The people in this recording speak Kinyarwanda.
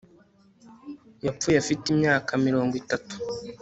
Yapfuye afite imyaka mirongo itatu